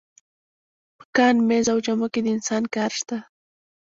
په کان، مېز او جامو کې د انسان کار شته